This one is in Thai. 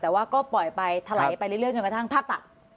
แต่ว่าก็ปล่อยไปถลายไปเรื่อยจนกระทั่งภาพตัด